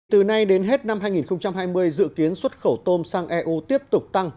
từ nay đến hết năm hai nghìn hai mươi dự kiến xuất khẩu tôm sang eu tiếp tục tăng